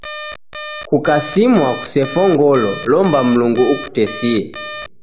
Kukasimwa, kusefo ngolo, lomba Mlungu ukutesie